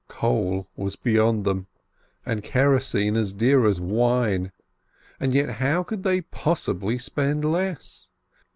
Coal was beyond them, and kerosene as dear as wine, and yet how could they possibly spend less?